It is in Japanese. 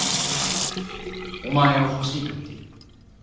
お前を欲しいと言っている。